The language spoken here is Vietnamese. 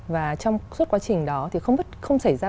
và trong suốt quá trình đó thì không xảy ra bất kỳ một sự cố nào